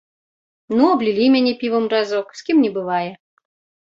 Ну, аблілі мяне півам разок, з кім не бывае.